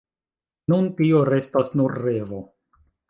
Nun tio restas nur revo.